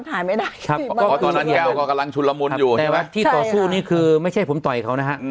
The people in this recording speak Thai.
มันมันถ่ายไม่ได้ครับตอนนั้นแกวก็กำลังชุนละมนต์อยู่ใช่ปะใช่ค่ะที่ต่อสู้นี้คือไม่ใช่ผมต่อยเขานะฮะ